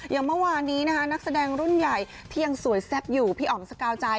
อย่างเมื่อวานนี้นะคะนักแสดงรุ่นใหญ่ที่ยังสวยแซ่บอยู่พี่อ๋อมสกาวใจ